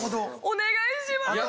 お願いします！